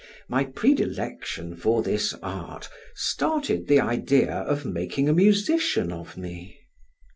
My predilection for this art started the idea of making a musician of, me.